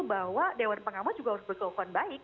bahwa dewan pengawas juga harus berkelakuan baik